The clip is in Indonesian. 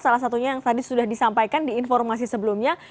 salah satunya yang tadi sudah disampaikan di informasi sebelumnya